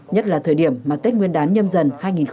nhất là thời điểm mà tết nguyên đán nhâm dần